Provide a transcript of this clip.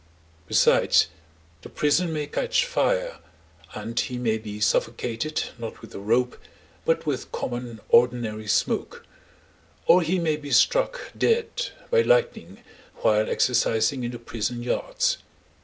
Besides, the prison may catch fire, and he may be suffocated not with a rope, but with common ordinary smoke; or he may be struck dead by lightning while exercising in the prison yards.